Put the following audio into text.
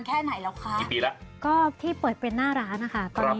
ที่เปิดไปประมาณหนึ่งปีหนึ่งปีนาฬานะครับ